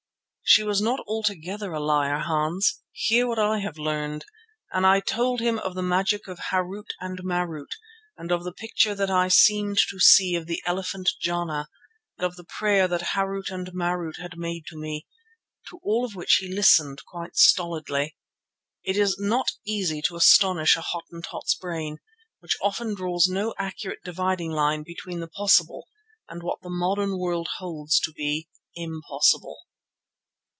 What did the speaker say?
"She was not altogether a liar, Hans. Hear what I have learned," and I told him of the magic of Harût and Marût and of the picture that I had seemed to see of the elephant Jana and of the prayer that Harût and Marût had made to me, to all of which he listened quite stolidly. It is not easy to astonish a Hottentot's brain, which often draws no accurate dividing line between the possible and what the modern world holds to be impossible.